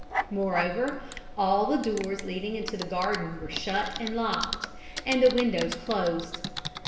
Moreover all the doors leading into the garden were shut and locked, and the windows closed.